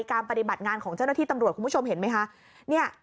ปฏิบัติงานของเจ้าหน้าที่ตำรวจคุณผู้ชมเห็นไหมคะ